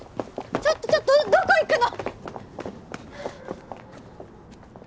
ちょっとちょっとどこ行くの？